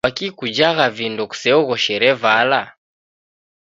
Kwaki kujagha vindo kuseoghoshere vala?